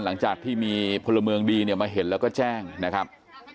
หลังจากที่มีพลเมืองดีเนี่ยมาเห็นแล้วก็แจ้งนะครับ